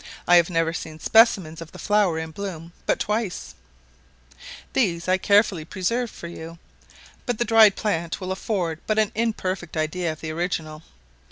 I have never seen specimens of the flowers in bloom but twice; these I carefully preserved for you, but the dried plant will afford but an imperfect idea of the original.